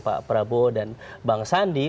pak prabowo dan bang sandi